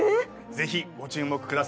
ぜひご注目ください。